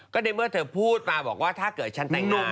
ก็ในเมื่อเธอพูดมาบอกว่าถ้าเกิดฉันแต่งหน้า